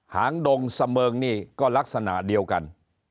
หางดงเสมิงนี่ก็ลักษณะเดียวกัน